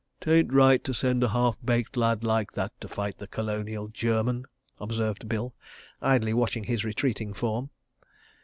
"'Tain't right to send a half baked lad like that to fight the Colonial German," observed Bill, idly watching his retreating form.